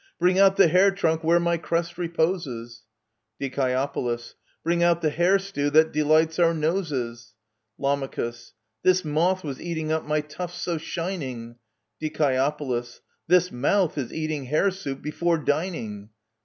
Bring out the hair trunk where my crest reposes ! Die. Bring out the hare stew that delights our noses ! Lam. This moth was eating up my tufts so shining ! Die. This mouth is eating hare soup before dining